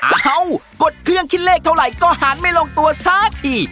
เอ้ากดเครื่องคิดเลขเท่าไหร่ก็หารไม่ลงตัวสักที